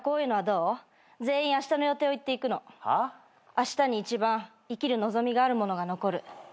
あしたに一番生きる望みがある者が残る。